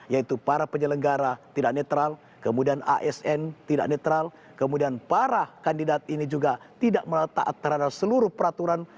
yaitu para penyelenggara tidak netral kemudian asn tidak netral kemudian para kandidat ini juga tidak meletak terhadap seluruh peraturan